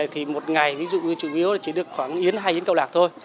thì một ngày ví dụ trụ yếu là chỉ được khoảng yến hay yến kẹo lạc thôi